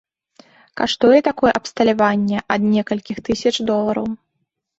Каштуе такое абсталяванне ад некалькіх тысяч долараў.